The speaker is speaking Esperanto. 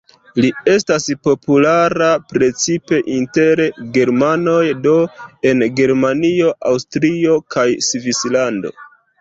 Li estas populara precipe inter germanoj, do en Germanio, Aŭstrio kaj Svislando.